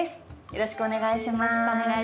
よろしくお願いします。